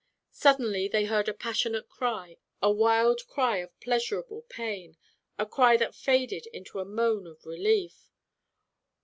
Suddenly they heard a passionate cry, a wild cry of pleasurable pain, a cry that faded into a moan of relief.